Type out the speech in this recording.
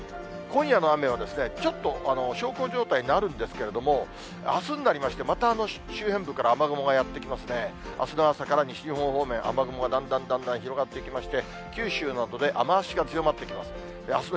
今夜の雨は、ちょっと小康状態になるんですけれども、あすになりまして、また周辺部から雨雲がやって来ますね。あすの朝から西日本方面、雨雲がだんだんだんだん広がっていきまして、九州などで雨足が強まってきます。